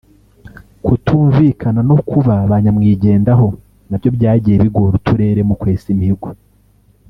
kutumvikana no kuba ba nyamwigendaho nabyo byagiye bigora uturere mu kwesa imihigo